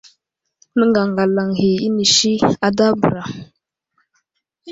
Nəŋgagalaŋ ghi inisi ada bəra .